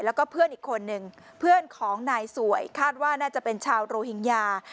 แล้วก็เพื่อนอีกคนนึงเพื่อนของนายสวยคาดว่าน่าจะเป็นชาวโรฮิงญา